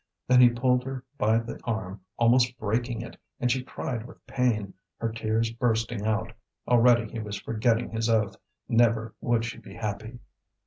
Then he pulled her by the arm, almost breaking it; and she cried with pain, her tears bursting out. Already he was forgetting his oath, never would she be happy.